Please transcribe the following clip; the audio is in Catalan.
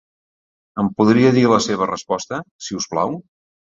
Em podria dir la seva resposta, si us plau?